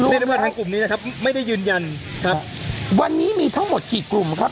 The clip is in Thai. เรียกได้ว่าทางกลุ่มนี้นะครับไม่ได้ยืนยันครับวันนี้มีทั้งหมดกี่กลุ่มครับ